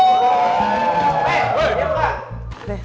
hei wuih diam kak